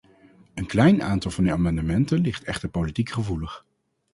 Een klein aantal van uw amendementen ligt echter politiek gevoelig.